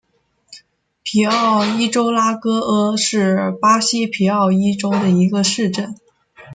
皮奥伊州拉戈阿是巴西皮奥伊州的一个市镇。